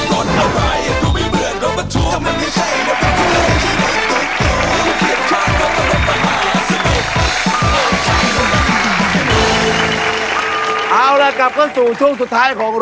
สวัสดีครับทุกคน